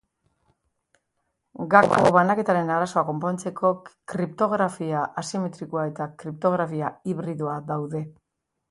Gako banaketaren arazoa konpontzeko kriptografia asimetrikoa eta kriptografia hibridoa daude.